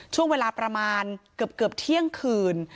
ช่วงเวลาประมาณเกือบเที่ยงคืน